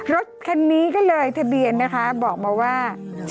รถคันนี้ก็เลยทะเบียนนะคะบอกมาว่า